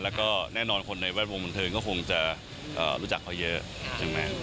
และแน่นอนคนในแวดวงฝ่นเทิงคงจะรู้จักเขาเยอะ